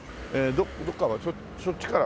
どこからそっちから。